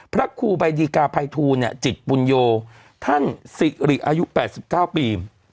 พระครูใบดีกาภัยทูเนี่ยจิตปุญโยท่านศิริอายุแปดสิบเก้าปี